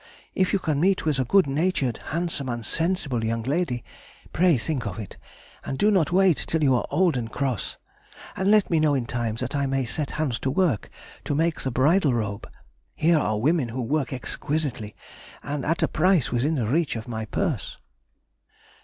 If you can meet with a good natured, handsome, and sensible young lady, pray think of it, and do not wait till you are old and cross. And let me know in time that I may set hands to work to make the bridal robe; here are women who work exquisitely, and at a price within the reach of my purse.